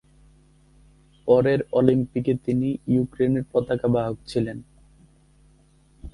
পরের অলিম্পিকে তিনি ইউক্রেনের পতাকা বাহক ছিলেন।